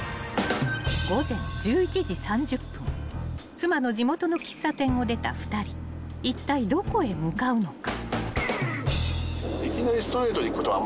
［妻の地元の喫茶店を出た２人いったいどこへ向かうのか］